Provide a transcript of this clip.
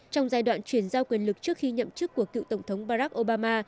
trong giai đoạn chuyển giao quyền lực trước khi nhậm chức của cựu tổng thống barack obama